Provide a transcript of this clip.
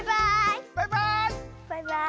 バイバイ。